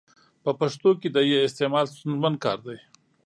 په پښتو کي د ي استعمال ستونزمن کار دی.